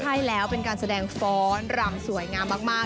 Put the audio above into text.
ใช่แล้วเป็นการแสดงฟ้อนรำสวยงามมาก